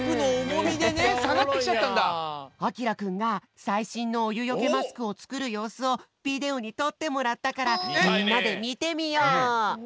あきらくんがさいしんのおゆよけマスクをつくるようすをビデオにとってもらったからみんなでみてみよう！